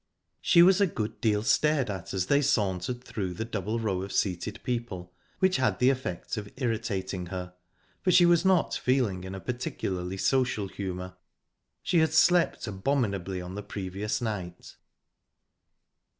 She was a good deal stared at as they sauntered through the double row of seated people, which had the effect of irritating her, for she was not feeling in a particularly social humour she had slept abominably on the previous night.